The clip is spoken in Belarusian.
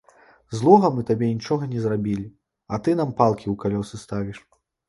Злога мы табе нічога не зрабілі, а ты нам палкі ў калёсы ставіш.